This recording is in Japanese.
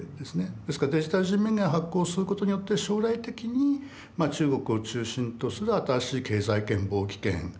ですからデジタル人民元を発行することによって将来的に中国を中心とする新しい経済圏貿易圏通貨圏を作っていくと。